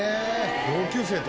同級生と。